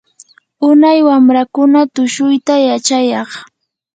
unay wamrakuna tushuyta yachayaq.